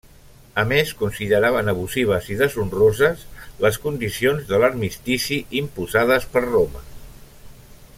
A més, consideraven abusives i deshonroses les condicions de l'armistici imposades per Roma.